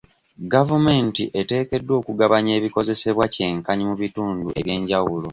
Gavumenti eteekeddwa okugabanya ebikozesebwa kye nkanyi mu bitundu eby'enjawulo.